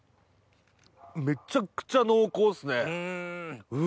めちゃくちゃ濃厚っすね。